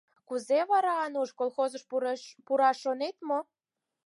Кузе вара, Ануш, колхозыш пураш шонет мо?